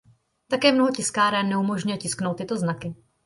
Také mnoho tiskáren neumožňuje tisknout tyto znaky.